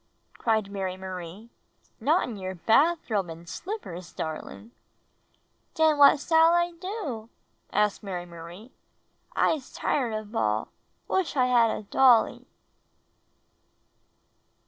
cried Mary^ Marie. ''Not in your bathrobe and slippers, darling!" "Den what s'all T do?" asked Mary Marie. "I'se tired of baU! Wish I had a dolly!"